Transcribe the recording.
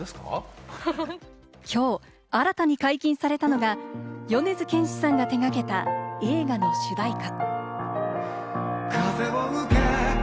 きょう、新たに解禁されたのが米津玄師さんが手がけた映画の主題歌。